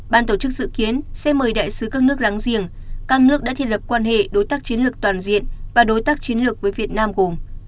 ban tổ chức dự kiến sẽ mời đại sứ các nước láng giềng các nước đã thiết lập quan hệ đối tác chiến lược toàn diện và đối tác chiến lược với việt nam gồm